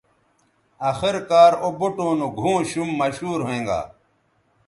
آخر کار او بوٹوں نو گھؤں شُم مشہور ھوینگا